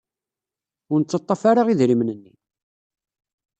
Ur nettaḍḍaf ara idrimen-nni.